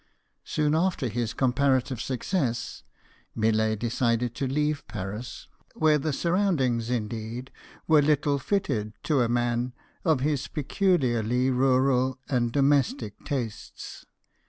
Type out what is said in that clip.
Soon after this comparative success Millet decided to leave Paris, where the surroundings indeed were little fitted to a man of his peculiarly rural and domestic tastes.